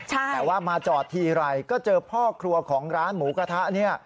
แต่ว่ามาจอดทีไรก็เจอพ่อครัวของร้านหมูกระทะเนี่ย